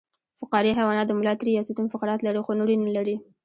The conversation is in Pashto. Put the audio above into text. فقاریه حیوانات د ملا تیر یا ستون فقرات لري خو نور یې نلري